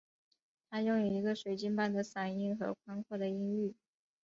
她拥有一个水晶般的嗓音和宽阔的音域。